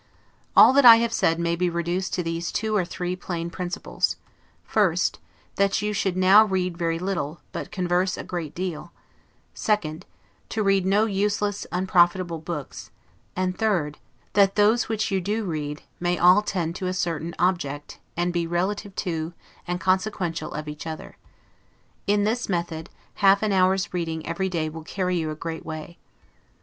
All that I have said may be reduced to these two or three plain principles: 1st, That you should now read very little, but converse a great deal; 2d, To read no useless, unprofitable books; and 3d, That those which you do read, may all tend to a certain object, and be relative to, and consequential of each other. In this method, half an hour's reading every day will carry you a great way.